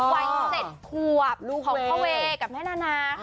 วันเสร็จควบของพ่อเวย์กับแม่นานาค่ะ